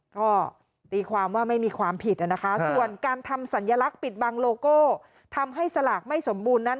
ก็ตีความว่าไม่มีความผิดนะคะส่วนการทำสัญลักษณ์ปิดบังโลโก้ทำให้สลากไม่สมบูรณ์นั้น